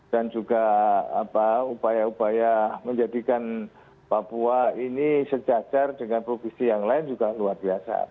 dan juga upaya upaya menjadikan papua ini sejajar dengan provinsi yang lain juga luar biasa